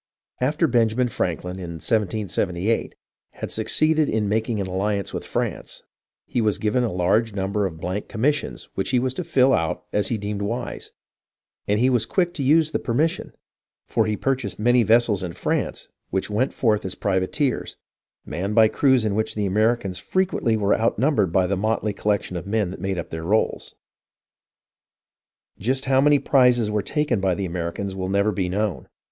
After Benjamin Franklin, in 1778, had succeeded in making an alliance with France, he was given a large num ber of blank commissions which he was to fill out as he deemed wise, and he was quick to use the permission, for he purchased many vessels in France which went forth as privateers, manned by crews in which the Americans fre quently were outnumbered by the motley collection of men that made up their rolls. Just how many prizes were taken by the Americans will never be known.